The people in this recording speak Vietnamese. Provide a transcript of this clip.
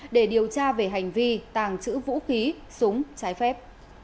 tuần tra về hành vi tàng trữ vũ khí súng trái phép